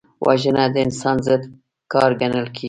وژنه د انسان ضد کار ګڼل کېږي